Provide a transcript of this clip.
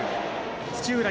土浦